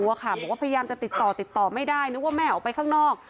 พยายามจะติดต่อไม่ได้นึกว่าแม่ออกไปข้างนอก